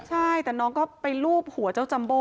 ใช่แต่น้องก็ไปลูบหัวเจ้าจัมโบ้